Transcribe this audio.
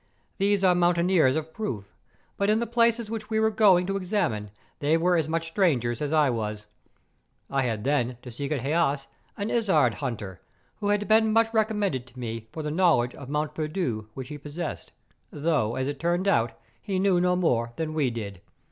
These are mountaineers of proof; but in the places which we were going to examine, they were as much strangers as I was. I had then to S3ek at Heas an isard hunter, who had been much recommended to me for the knowledge of Mont Perdu which he possessed, though, as it turned out, he knew no more than we did.